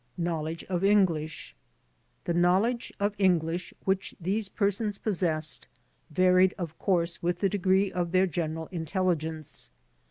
Knowledge of English The knowledge of English which these persons pos sessed varied of course with the degree of their general intelligence.